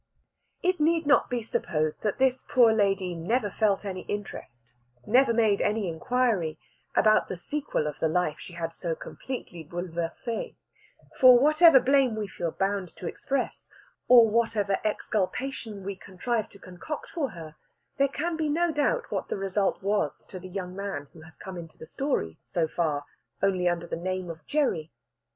It need not be supposed that this poor lady never felt any interest, never made any inquiry, about the sequel of the life she had so completely bouleversé; for, whatever blame we feel bound to express, or whatever exculpation we contrive to concoct for her, there can be no doubt what the result was to the young man who has come into the story, so far, only under the name of Gerry.